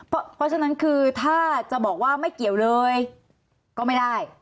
เพราะฉะนั้นคือถ้าจะบอกว่าไม่เกี่ยวเลยก็ไม่ได้